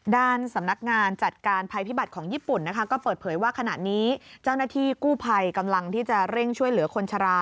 ด้านสำนักงานจัดการภัยพิบัติของญี่ปุ่นนะคะก็เปิดเผยว่าขณะนี้เจ้าหน้าที่กู้ภัยกำลังที่จะเร่งช่วยเหลือคนชะลา